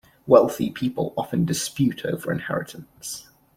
Wealthy people often dispute over inheritance.